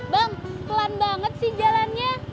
bang pelan banget sih jalannya